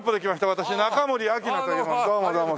私中森明菜という者でどうもどうも。